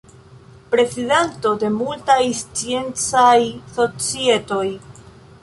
Prezidanto de multaj sciencaj societoj.